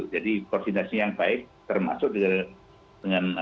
jadi koordinasi yang baik termasuk dengan